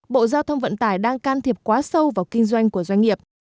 bộ giao thông vận tải đang can thiệp quá sâu vào kinh doanh của doanh nghiệp